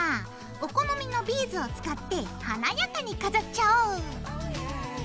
お好みのビーズを使って華やかに飾っちゃおう。